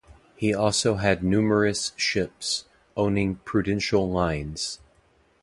He also had numerous ships, owning Prudential Lines.